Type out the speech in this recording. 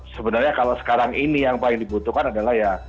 sebenarnya kalau sekarang ini yang paling dibutuhkan adalah ya